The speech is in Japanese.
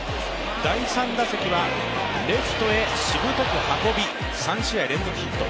第３打席はレフトへしぶとく運び、３試合連続ヒット。